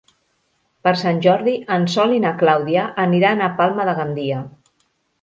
Per Sant Jordi en Sol i na Clàudia aniran a Palma de Gandia.